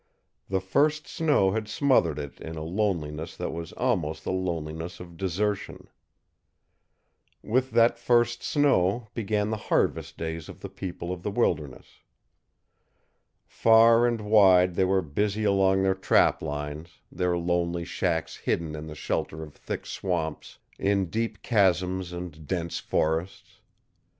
The first snow had smothered it in a loneliness that was almost the loneliness of desertion. With that first snow began the harvest days of the people of the wilderness. Far and wide they were busy along their trap lines, their lonely shacks hidden in the shelter of thick swamps, in deep chasms and dense forests.